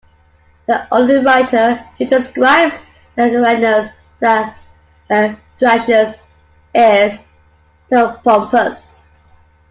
The only writer who describes the Agrianes as Thracians is Theopompus.